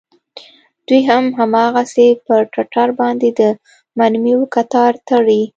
دوى هم هماغسې پر ټټر باندې د مرميو کتار تړي.